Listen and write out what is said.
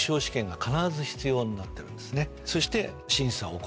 そして。